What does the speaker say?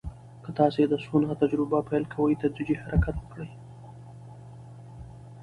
که تاسو د سونا تجربه پیل کوئ، تدریجي حرکت وکړئ.